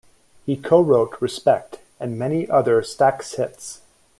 He co-wrote "Respect" and many other Stax hits.